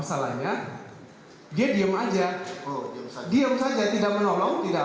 arief juga mengatakan bahwa dia berasa sedang berdiam